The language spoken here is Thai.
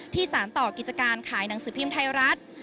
สารต่อกิจการขายหนังสือพิมพ์ไทยรัฐ